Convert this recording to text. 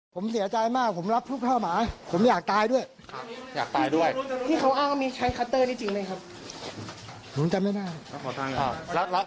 ผมเสียใจมากผมรับทุกข้าวหมาผมอยากตายด้วยอยากตายด้วยที่เขาอ้างว่ามีใช้คัตเตอร์นี่จริงไหมครับ